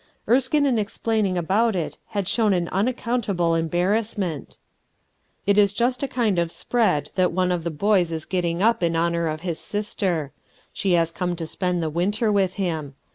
Enskine in explaining about it had shown an unaccountable embarrassment. MAMIE PARKER 37 "It is just a kind of spread that one of the boys is getting up in honor of his sister; she has come to spend the winter with him.